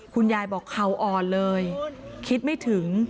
คุณยายบอกเขาอ่อนเลยคิดไม่ถึง